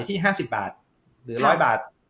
ที่๕๐บาทหรือ๑๐๐บาท